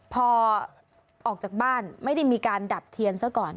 พอออกจากบ้านไม่ได้มีการดับเทียนซะก่อน